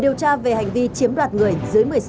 để điều tra về hành vi chiếm đoạt người dưới một mươi sáu tuổi